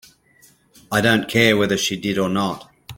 I don't care whether she did or not.